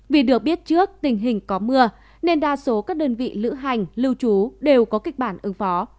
vì được biết trước tình hình có mưa nên đa số các đơn vị lữ hành lưu trú đều có kịch bản ứng phó